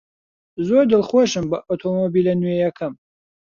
زۆر دڵخۆشم بە ئۆتۆمۆبیلە نوێیەکەم.